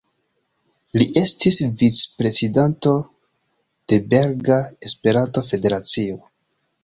Li estis vic-prezidanto de Belga Esperanto-Federacio.